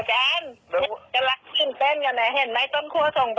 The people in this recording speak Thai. ข้างหน้าไม่ถูกจริงอ่ะ